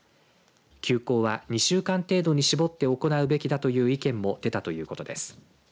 休校は２週間程度に絞って行うべきだという意見も出たということです。